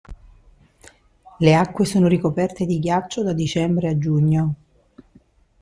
Le acque sono ricoperte di ghiaccio da dicembre a giugno.